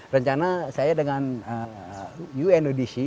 rencana saya dengan unodc